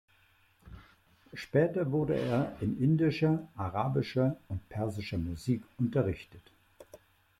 Später wurde er in indischer, arabischer und persischer Musik unterrichtet.